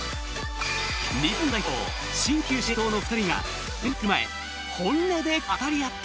日本代表新旧司令塔の２人がオリンピック前本音で語り合った！